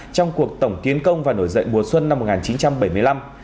trong cuộc tổng tiến công và nổi dậy mùa xuân năm một nghìn chín trăm bảy mươi năm